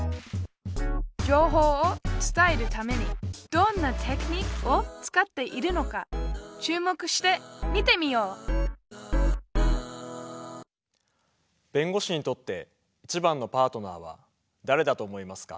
情報を伝えるためにどんなテクニックを使っているのか注目して見てみよう弁護士にとっていちばんのパートナーはだれだと思いますか？